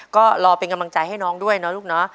ก็รอเพลงกำจัยให้น้องด้วยนะลูกเนอะ